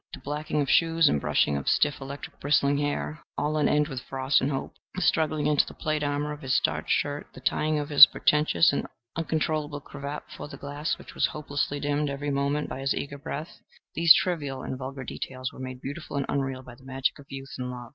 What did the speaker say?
The blacking of shoes and brushing of stiff, electric, bristling hair, all on end with frost and hope, the struggling into the plate armor of his starched shirt, the tying of the portentous and uncontrollable cravat before the glass, which was hopelessly dimmed every moment by his eager breath, these trivial and vulgar details were made beautiful and unreal by the magic of youth and love.